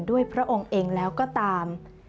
พระองค์เองแล้วก็ตาม